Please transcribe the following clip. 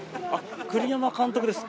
栗山監督です。